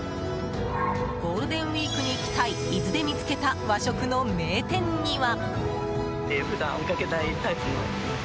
ゴールデンウィークに行きたい伊豆で見つけた和食の名店には。